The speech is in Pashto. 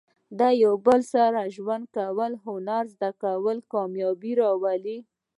د یو بل سره د ژوند کولو هنر زده کول، کامیابي راولي.